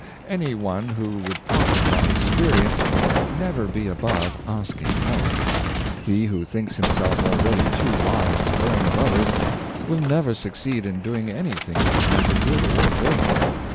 Any one who would profit by experience will never be above asking help. He who thinks himself already too wise to learn of others, will never succeed in doing any thing either good or great.